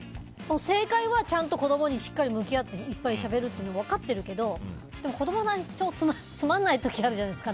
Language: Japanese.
正解はちゃんと子供にしっかり向き合っていっぱいしゃべることだって分かってるけど子供の話、超つまらない時あるじゃないですか。